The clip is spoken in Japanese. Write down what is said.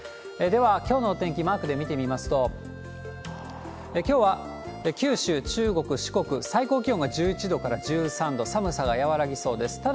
では、きょうのお天気マークで見てみますと、きょうは九州、中国、四国、最高気温が１１度から１３度、寒さが和らぎそうです。